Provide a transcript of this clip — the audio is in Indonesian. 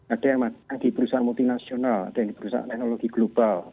ada yang makan di perusahaan multinasional ada yang di perusahaan teknologi global